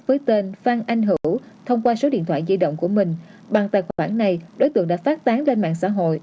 với tên phan anh hữu thông qua số điện thoại di động của mình bằng tài khoản này đối tượng đã phát tán lên mạng xã hội